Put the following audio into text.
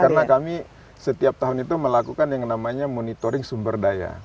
karena kami setiap tahun itu melakukan yang namanya monitoring sumber daya